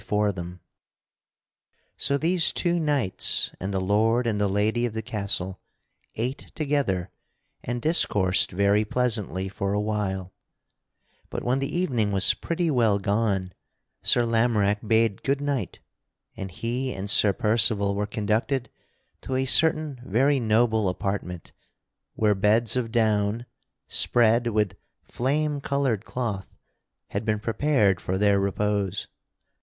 [Sidenote: How the two knights were welcomed by the lord and lady of the castle] So these two knights and the lord and the lady of the castle ate together and discoursed very pleasantly for a while; but, when the evening was pretty well gone, Sir Lamorack bade good night, and he and Sir Percival were conducted to a certain very noble apartment where beds of down, spread with flame colored cloth, had been prepared for their repose.